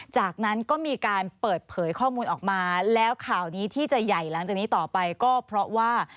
จากนั้นก็มีการเปิดเผยข้อมูลออกมาแล้วข่าวนี้ที่จะใหญ่หลังจากนี้ต่อไปก็เพราะว่า